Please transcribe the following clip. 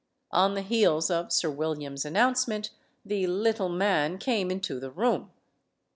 On the heels of Sir William's announcement, the "little man" came into the room.